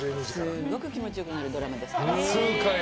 すごく気持ちよくなるドラマです。